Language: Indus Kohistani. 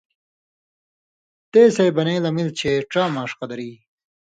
تے سېں بنَیں لمِل چےۡ ڇا ماݜ قدر ای،